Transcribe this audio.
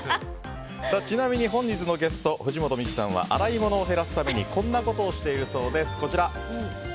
ちなみに本日のゲスト藤本美貴さんは洗い物を減らすためにこんなことをしているそうです。